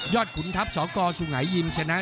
ยอดขุนทัพสองก่อสูงไหนยิ้มชนะ